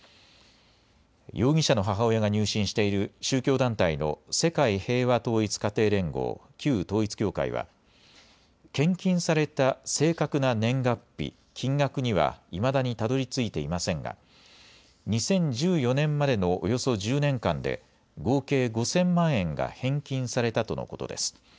容疑者の母親が入信している宗教団体の世界平和統一家庭連合、旧統一教会は、献金された正確な年月日、金額にはいまだにたどりついていませんが２０１４年までのおよそ１０年間で合計５０００万円が返金されたとのことです。